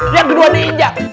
yang kedua diinjak